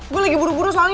gue lagi buru buru soalnya